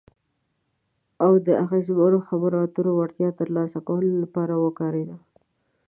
او د اغیزمنو خبرو اترو وړتیا ترلاسه کولو لپاره وکارېده.